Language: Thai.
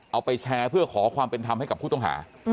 เอาไปแชร์เพื่อขอความเป็นธรรมให้กับผู้ต้องหา